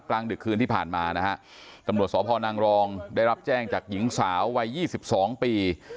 กลางดึกคืนที่ผ่านมานะฮะตำรวจสพนางรองได้รับแจ้งจากหญิงสาววัยยี่สิบสองปี